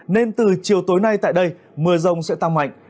nên từ chiều tối nay tại đây mưa rông sẽ tăng mạnh